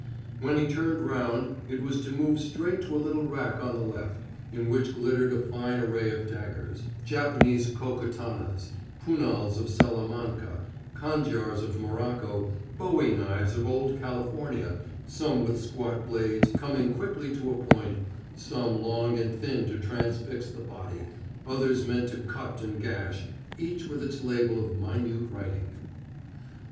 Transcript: When he turned round, it was to move straight to a little rack on the left, in which glittered a fine array of daggers Japanese kokatanas, punals of Salamanca, cangiars of Morocco, bowie knives of old California, some with squat blades, coming quickly to a point, some long and thin to transfix the body, others meant to cut and gash, each with its label of minute writing.